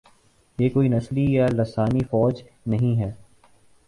یہ کوئی نسلی یا لسانی فوج نہیں ہے۔